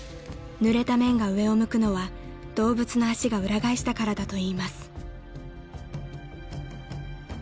［ぬれた面が上を向くのは動物の足が裏返したからだといいます］